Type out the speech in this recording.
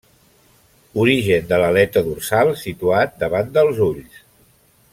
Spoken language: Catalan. Origen de l'aleta dorsal situat davant dels ulls.